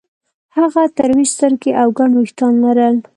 هغه تروې سترګې او ګڼ وېښتان لرل